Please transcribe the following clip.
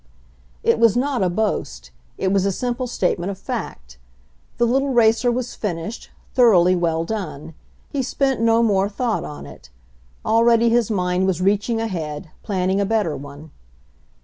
It was not a boast; it was a simple statement of fact. The little racer was finished, thor oughly well done ; he spent no more thought on it. Already his mind was reaching ahead, plan ning a better one.